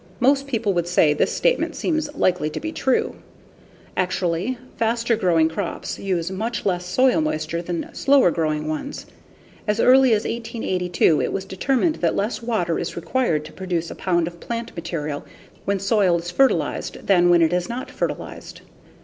Most people would say this statement seems likely to be true. Actually, faster growing crops use much less soil moisture than slower growing ones. As early as 1882 it was determined that less water is required to produce a pound of plant material when soil is fertilized than when it is not fertilized.